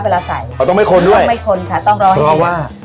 เวลาใส่เขาต้องไม่คนด้วยต้องไม่คนค่ะต้องร้อนเพราะว่า